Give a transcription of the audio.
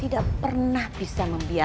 tidak pernah bisa membunuhnya